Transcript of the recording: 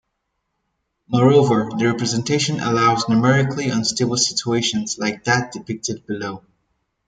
Moreover the representation allows numerically unstable situations like that depicted below.